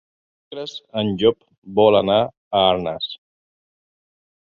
Dimecres en Llop vol anar a Arnes.